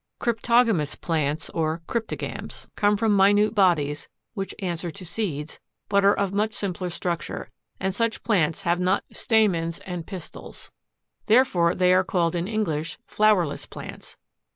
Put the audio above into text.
CRYPTOGAMOUS PLANTS, or CRYPTOGAMS, come from minute bodies, which answer to seeds, but are of much simpler structure, and such plants have not stamens and pistils. Therefore they are called in English FLOWERLESS PLANTS.